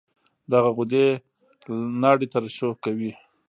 دغه غدې لاړې ترشح کوي.